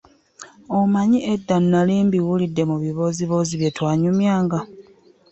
Omanyi edda nnali mbiwulidde mu bibooziboozi bye twanyumyanga.